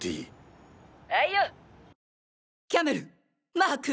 マーク！？